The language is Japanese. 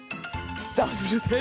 ダブルで。